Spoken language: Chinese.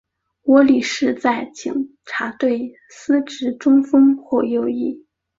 窝利士在警察队司职中锋或右翼。